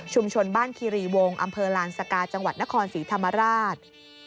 บ้านคิรีวงอำเภอลานสกาจังหวัดนครศรีธรรมราช